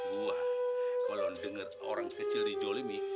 gue kalau denger orang kecil di jolimi